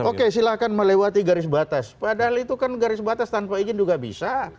oke silahkan melewati garis batas padahal itu kan garis batas tanpa izin juga bisa